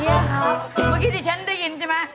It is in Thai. เมื่อกี้ที่ฉันได้ยินใช่ไหม